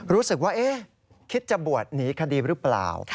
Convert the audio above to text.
รู้สึกว่าคิดจะบวชหนีคดีหรือเปล่า